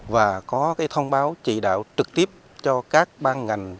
và có thông báo chỉ đạo trực tiếp cho các băng ngành